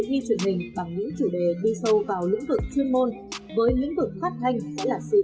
ghi truyền hình bằng những chủ đề đi sâu vào lĩnh vực chuyên môn với lĩnh vực phát thanh sẽ là sự